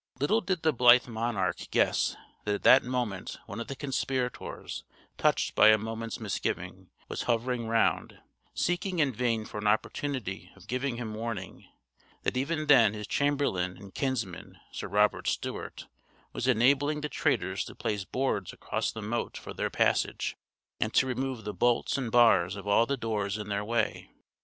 Little did the blithe monarch guess that at that moment one of the conspirators, touched by a moment's misgiving, was hovering round, seeking in vain for an opportunity of giving him warning; that even then his chamberlain and kinsman, Sir Robert Stewart, was enabling the traitors to place boards across the moat for their passage, and to remove the bolts and bars of all the doors in their way.